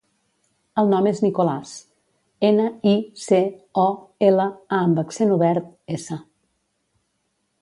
El nom és Nicolàs: ena, i, ce, o, ela, a amb accent obert, essa.